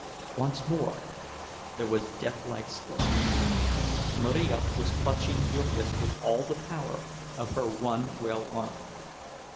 Once more there was deathlike stillness. Marija was clutching Jurgis with all the power of her one well arm.